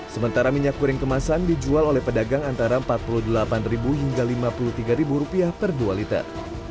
sementara minyak goreng kemasan dijual oleh pedagang antara rp empat puluh delapan hingga rp lima puluh tiga per dua liter